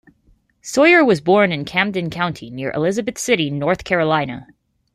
Sawyer was born in Camden County, near Elizabeth City, North Carolina.